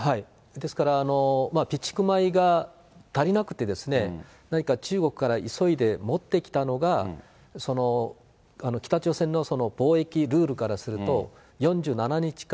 ですから、備蓄米が足りなくて、何か中国から急いで持ってきたのが、北朝鮮の貿易ルールからすると、４７日間、